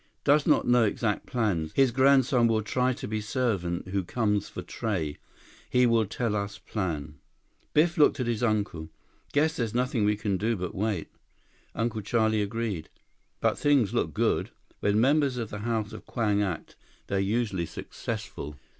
"Does not know exact plans. His grandson will try to be servant who comes for tray. He will tell us plan." Biff looked at his uncle. "Guess there's nothing we can do but wait." Uncle Charlie agreed. "But things look good. When members of the House of Kwang act, they're usually successful."